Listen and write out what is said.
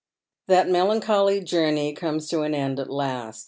That melancholy journey comes to an end at last.